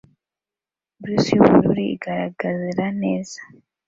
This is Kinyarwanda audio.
blus yubururu igaragara neza